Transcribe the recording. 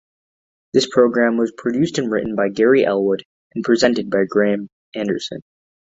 This programme was produced and written by Gary Ellwood and presented by Graeme Anderson.